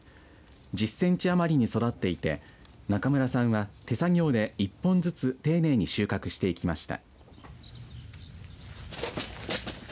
１０センチ余りに育っていて中村さんは手作業で１本ずつ丁寧に収穫していきました。